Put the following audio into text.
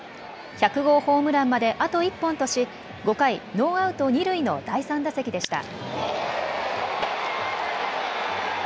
１００号ホームランまであと１本とし５回、ノーアウト二塁の第３打席でした。